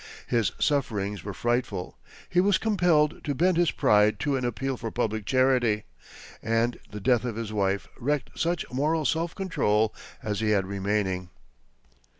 His sufferings were frightful; he was compelled to bend his pride to an appeal for public charity, and the death of his wife wrecked such moral self control as he had remaining.